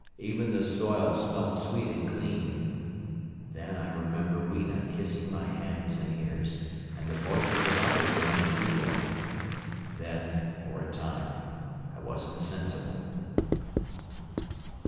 Even the soil smelt sweet and clean. Then I remember Weena kissing my hands and ears, and the voices of others among the Eloi. Then, for a time, I was insensible.